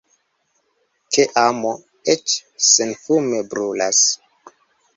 Ke amo, eĉ senfume, brulas.